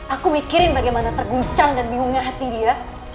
aku mikirin bagaimana terguncang dan bingungnya hati dia